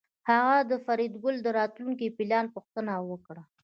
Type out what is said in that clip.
هغه د فریدګل د راتلونکي پلان پوښتنه وکړه